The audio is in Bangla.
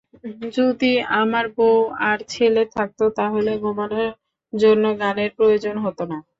যদি আমার বউ আর ছেলে থাকতো, তাহলে ঘুমানোর জন্য গানের প্রয়োজন হতো না।